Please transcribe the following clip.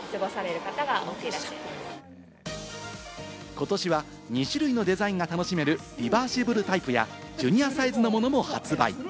今年は２種類のデザインが楽しめるリバーシブルタイプや、ジュニアサイズのものも発売。